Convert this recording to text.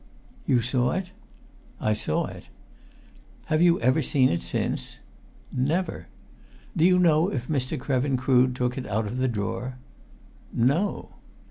"You saw it?" "I saw it." "Have you ever seen it since?" "Never!" "Do you know if Mr. Krevin Crood took it out of the drawer?" "No!"